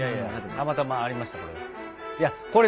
たまたまありましたこれ。